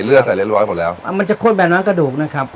เลือดใส่เรียบร้อยหมดแล้วอ่ามันจะข้นแบบน้อยกระดูกนะครับ